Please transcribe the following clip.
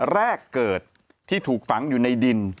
แรกเกิดที่ถูกฝังอยู่ในดิน